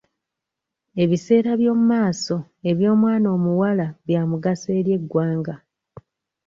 Ebiseera by'omu maaso eby'omwana omuwala byamugaso eri eggwanga.